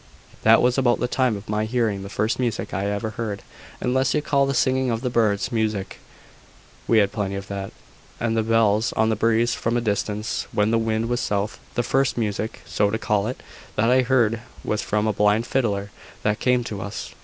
That was about the time of my hearing the first music I ever heard unless you call the singing of the birds music (we had plenty of that), and the bells on the breeze from a distance, when the wind was south. The first music (so to call it) that I heard was from a blind fiddler that came to us.